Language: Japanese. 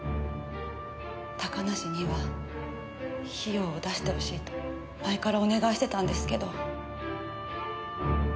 高梨には費用を出してほしいと前からお願いしてたんですけど。